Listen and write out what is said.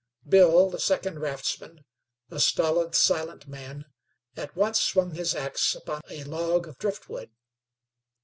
Bill, the second raftsman, a stolid, silent man, at once swung his axe upon a log of driftwood.